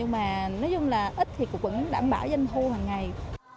mà nói chung là ít thì cũng vẫn đảm bảo doanh thu hằng ngày